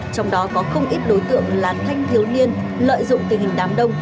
trong đó có không ít đối tượng là thanh thiếu niên lợi dụng tình hình đám đông